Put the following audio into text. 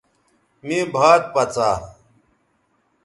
مے بھات پڅا